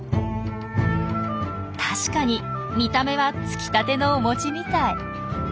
確かに見た目はつきたてのお餅みたい。